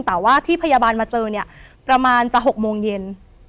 แต่ว่าที่พยาบาลมาเจอเนี่ยประมาณจะ๖โมงเย็น